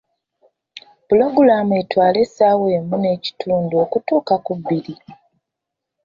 Pulogulaamu etwale ebbanga lya ssaawa emu n’ekitundu okutuuka ku bbiri.